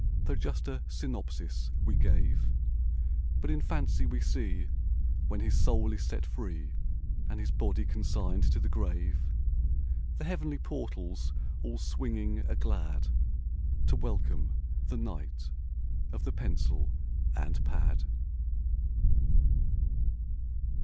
Though just a synopsis we gave; But in fancy we see, when his soul is set free And his body consigned to the grave. The heavenly portals all swinging a glad To welcome the knight of the pencil and pad.